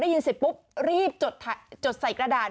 ยินเสร็จปุ๊บรีบจดใส่กระดาษ